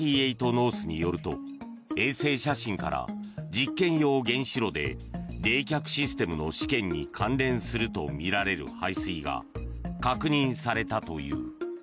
ノースによると衛星写真から、実験用原子炉で冷却システムの試験に関連するとみられる排水が確認されたという。